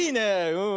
うん。